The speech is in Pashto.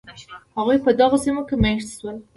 هغوی په دغو سیمو کې مېشت شول.